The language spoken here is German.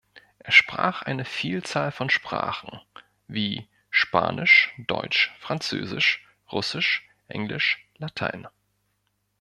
Er sprach eine Vielzahl von Sprachen wie Spanisch, Deutsch, Französisch, Russisch, Englisch, Latein.